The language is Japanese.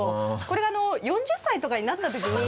これが４０歳とかになったときに